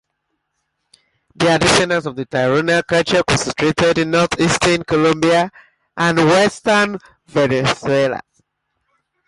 They are descendants of the Tairona culture concentrated in northeastern Colombia and western Venezuela.